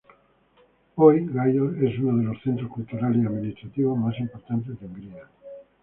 Hoy, Győr es uno de los centros culturales y administrativos más importantes de Hungría.